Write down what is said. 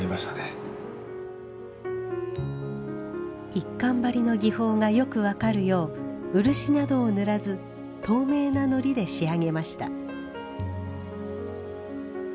一閑張の技法がよく分かるよう漆などを塗らず透明な糊で仕上げました。